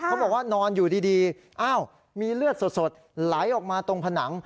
บอกว่านอนอยู่ดีอ้าวมีเลือดสดไหลออกมาตรงผนัง